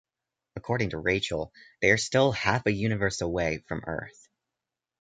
According to Rachel, they are still "half a universe away" from Earth.